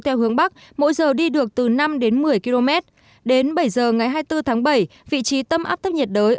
theo hướng bắc mỗi giờ đi được từ năm đến một mươi km đến bảy giờ ngày hai mươi bốn tháng bảy vị trí tâm áp thấp nhiệt đới